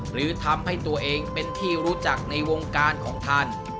หรือทำให้ตัวเองเป็นที่รู้จักในวงการของท่าน